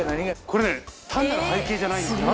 これね単なる背景じゃないんですよ。